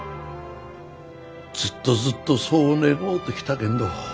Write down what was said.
ずっとずっとそう願うてきたけんど